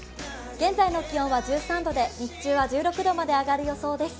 現在の気温は１３度で日中は１６度まで上がる予想です